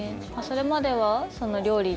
それまでは料理？